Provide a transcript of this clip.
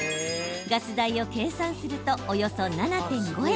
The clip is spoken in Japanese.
ガス代を計算するとおよそ７．５円。